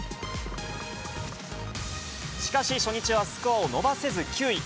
しかし、初日はスコアを伸ばせず９位。